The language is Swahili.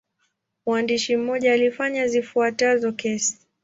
Mwandishi mmoja alifanya zifuatazo kesi.